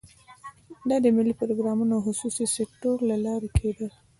دا د ملي پروګرامونو او خصوصي سکتور له لارې کېده.